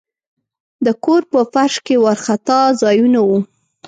د کور په فرش کې وارخطا ځایونه وو.